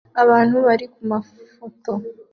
Abantu bari kumafoto